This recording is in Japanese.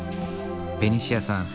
ベニシアさん